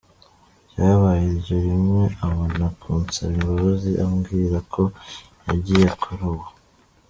byabaye iryo rimwe, abona kunsaba imbabazi, ambwira ko yagiye kuri uwo.